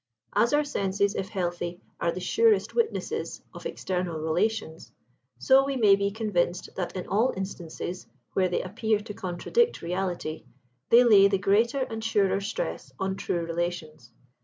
As our senses, if healthy, are the surest witnesses of external relations, so we may be convinced that, in all instances where they appear to contradict reality, they lay the greater and surer stress on true relations.